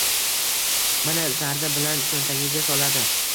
mana!! Zarda bilan cho’ntagiga soladi...